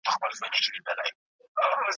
په دې لاره ګوندي را سې.